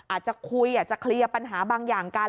อาจจะคุยอาจจะเคลียร์ปัญหาบางอย่างกัน